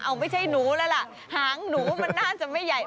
เอาไม่ใช่หนูแล้วล่ะหางหนูมันน่าจะไม่ใหญ่